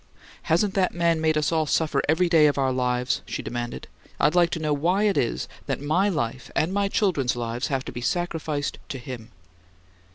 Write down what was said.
"Hasn't that man made us all suffer every day of our lives?" she demanded. "I'd like to know why it is that my life and my children's lives have to be sacrificed to him?"